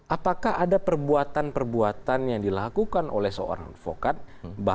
apakah ada perbuatan perbuatan yang dilakukan oleh seorang advokat baik di dalam perbuatan itu atau tidak